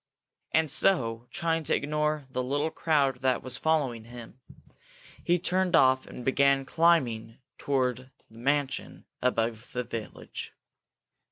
And so, trying to ignore the little crowd that was following him, he turned off and began climbing toward the mansion above the village.